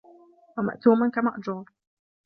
وَمَأْثُومًا كَمَأْجُورٍ